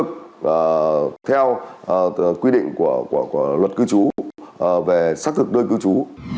của luật cư chú về xác thực đơn cư chú